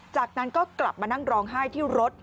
จากนั้นก็กลับมานั่งร้องไห้ที่รถ